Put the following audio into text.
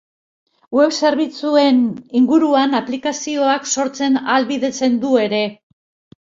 Web zerbitzuen inguruan aplikazioak sortzen ahalbidetzen du ere.